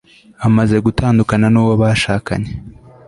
amaze gutandukana nu wo bashakanye